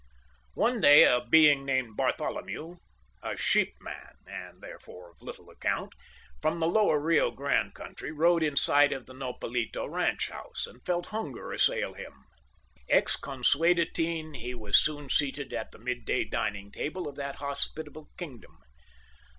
One day a being named Bartholomew, a sheep man—and therefore of little account—from the lower Rio Grande country, rode in sight of the Nopalito ranch house, and felt hunger assail him. Ex consuetudine he was soon seated at the mid day dining table of that hospitable kingdom.